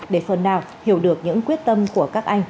để phần nào hiểu được những quyết tâm của các anh